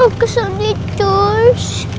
aku sedih cus